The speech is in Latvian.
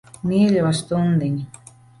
Mīļo stundiņ.